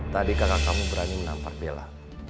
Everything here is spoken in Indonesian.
tadi kakak kamu berani menampar bella